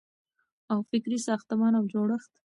او فکري ساختمان او جوړښت